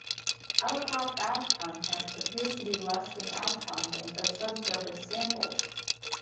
Outcrop ash content appears to be less than ash content of subsurface samples.